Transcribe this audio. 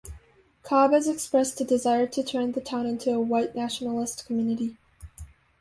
Cobb has expressed a desire to turn the town into a white nationalist community.